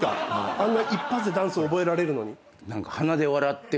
あんな一発でダンス覚えられるのに？